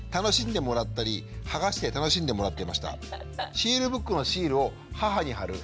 シールブックのシールを母に貼る。